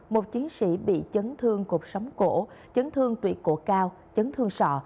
một chiến sĩ bị chấn thương cột sóng cổ chấn thương tuyệt cổ cao chấn thương sọ